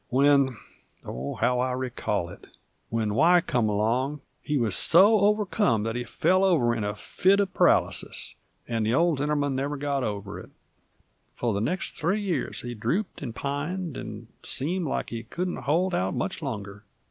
When oh, how well I recollect it when Y come along he wuz so overcome that he fell over in a fit uv paralysis, 'nd the old gentleman never got over it. For the next three years he drooped 'nd pined, and seemed like he couldn't hold out much longer.